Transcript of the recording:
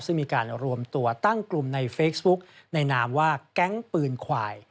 ซึ่งมีการรวมตัวตั้งกลุ่มในเฟซบุ๊กในนามว่าแก๊งปืนควาย